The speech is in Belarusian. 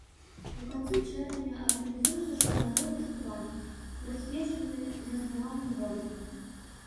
У канцы чэрвеня арганізуецца штогадовы фестываль, прысвечаны заснаванню горада.